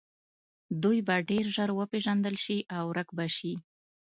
دوی به ډیر ژر وپیژندل شي او ورک به شي